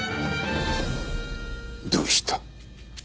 どうした？